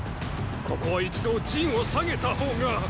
ここは一度陣を退げた方が！